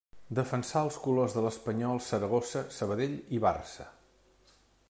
Defensà els colors de l'Espanyol, Saragossa, Sabadell i Barça.